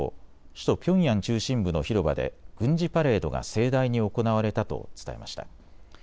首都ピョンヤン中心部の広場で軍事パレードが盛大に行われたと伝えました。